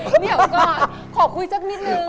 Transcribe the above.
เดี๋ยวก่อนขอคุยสักนิดนึง